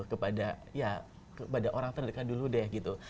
kepada ya kepada orang terdekat dulu deh gitu